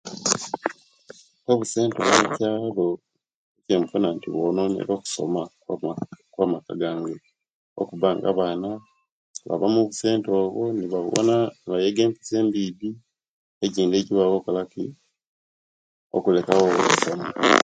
Obusenta bwa'mukyaalo ekyembona nti bwononere okusoma kwamaka gange okuba nga abaana baba mubusenta obwo nebabona nebega empisa embibbi ekindi ekibawa okukolaki okuleka wo okusoma